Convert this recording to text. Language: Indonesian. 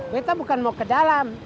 kita bukan mau ke dalam